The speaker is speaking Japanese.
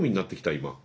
今。